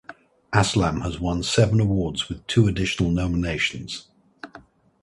Aslam has won seven awards with two additional nominations.